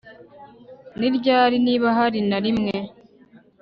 ni ryari, niba hari na rimwe